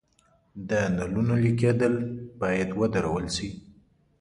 د نلونو لیک کیدل باید ودرول شي.